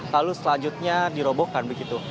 lalu selanjutnya dirobohkan begitu